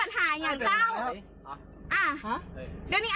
อ้าวอ้าวอ้าวจะเปิดห่อก่อน